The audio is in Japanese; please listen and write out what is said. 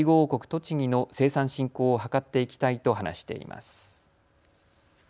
栃木の生産振興を図っていきたいと話しています。